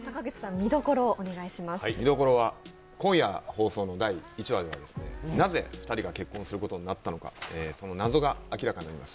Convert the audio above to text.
見どころは今夜放送の第１話では、なぜ２人が結婚することになったのか、その謎が明らかになります。